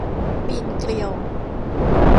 ปีนเกลียว